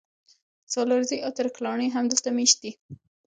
سالارزي او ترک لاڼي هم دلته مېشت دي